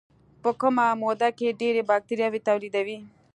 په کمه موده کې ډېرې باکتریاوې تولیدوي.